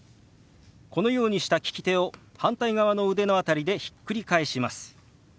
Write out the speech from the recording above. このようにした利き手を反対側の腕の辺りでひっくり返します。